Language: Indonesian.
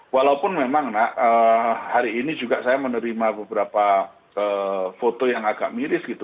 walaupun memang nak hari ini juga saya menerima beberapa foto yang agak miris gitu